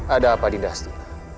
ada apa di dasar